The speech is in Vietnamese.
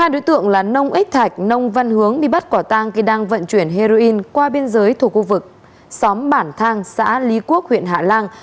hai đối tượng là nông ích thạch nông văn hướng bị bắt quả tang khi đang vận chuyển heroin qua biên giới thuộc khu vực xóm bản thang xã lý quốc huyện hạ lan